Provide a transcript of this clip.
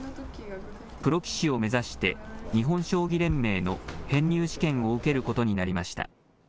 プロ棋士を目指して日本将棋連盟の編入試験を受けることになりました。